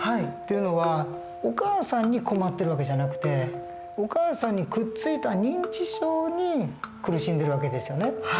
っていうのはお母さんに困ってる訳じゃなくてお母さんにくっついた認知症に苦しんでる訳ですよね。